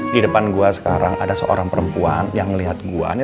di depan gue sekarang ada seorang perempuan yang ngeliat gue nih